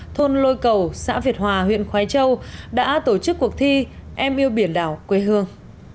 thôn lôi cầu xã việt hòa huyện khói châu đã tổ chức cuộc thi em yêu biển đảo quê hương